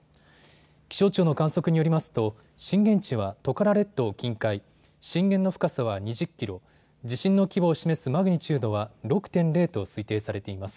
気象庁の観測によりますと震源地はトカラ列島近海、震源の深さは２０キロ、地震の規模を示すマグニチュードは６．０と推定されています。